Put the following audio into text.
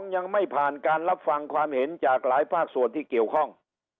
ยังไม่ผ่านการรับฟังความเห็นจากหลายภาคส่วนที่เกี่ยวข้อง